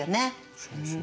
そうですね。